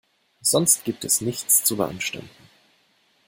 Sonst gibt es nichts zu beanstanden.